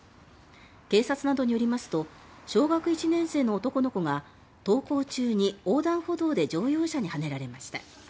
警察などによりますと小学１年生の男の子が登校中に横断歩道で乗用車にはねられました。